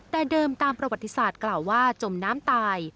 แต่เดิมตามประวัติศาสตร์กล่าวว่าจมน้ำตาย